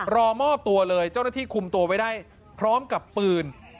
รอมอบตัวเลยเจ้าหน้าที่คุมตัวไว้ได้พร้อมกับปืน